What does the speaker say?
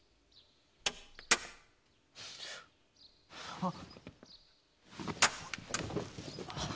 ・あっ。